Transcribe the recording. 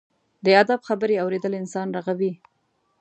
د ادب خبرې اورېدل انسان رغوي.